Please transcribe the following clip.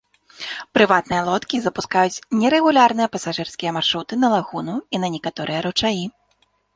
Прыватныя лодкі запускаюць нерэгулярныя пасажырскія маршруты на лагуну і на некаторыя ручаі.